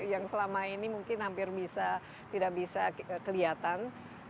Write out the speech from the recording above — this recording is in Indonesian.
yang selama ini mungkin hampir bisa tidak bisa kelihatan